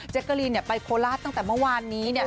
เจ็กเกอรีนเนี่ยไปโฟลาสตั้งแต่เมื่อวานนี้เนี่ย